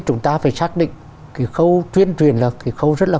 chúng ta phải xác định cái khâu chuyên truyền là cái khâu rất là